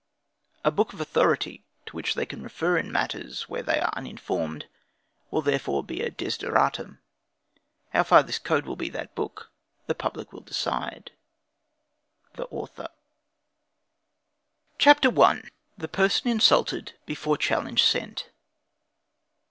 A book of authority, to which they can refer in matters where they are uninformed, will therefore be a desideratum. How far this code will be that book, the public will decide. THE AUTHOR RULES FOR PRINCIPALS AND SECONDS IN DUELLING. CHAPTER I. The Person Insulted, Before Challenge Sent 1.